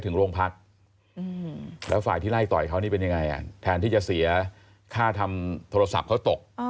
ถึงโรงพักแล้วฝ่ายที่ไล่ต่อยเขานี่เป็นยังไงแทนที่จะเสียค่าทำโทรศัพท์เขาตก